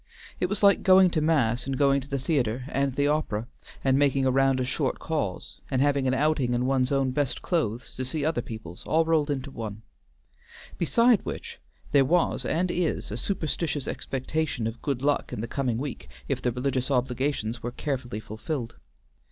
It was like going to mass and going to the theatre and the opera, and making a round of short calls, and having an outing in one's own best clothes to see other people's, all rolled into one; beside which, there was (and is) a superstitious expectation of good luck in the coming week if the religious obligations were carefully fulfilled.